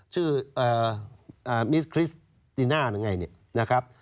ชื่อมิสคริสติน่าอะไรอย่างนี้นะครับ